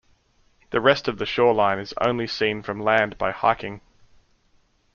The rest of the shoreline is only seen from land by hiking.